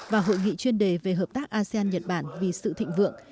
và hội nghị chuyên đề về hợp tác asean nhật bản vì sự thịnh vượng